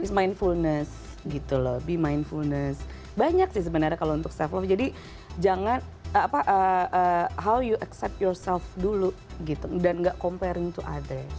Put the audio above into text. is mindfulness gitu loh be mindfulness banyak sih sebenarnya kalau untuk self love jadi jangan how you accep yourself dulu gitu dan gak comparent to at the